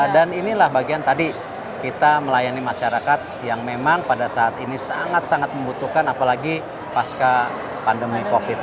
dan inilah bagian tadi kita melayani masyarakat yang memang pada saat ini sangat sangat membutuhkan apalagi pasca pandemi covid ini